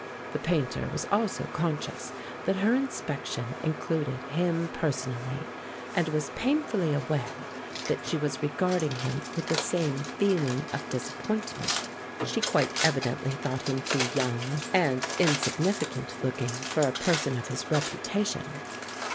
The Painter was also conscious that her inspection included him personally, and was painfully aware that she was regarding him with the same feeling of disappointment; she quite evidently thought him too young and insignificant looking for a person of his reputation.